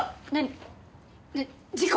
事故？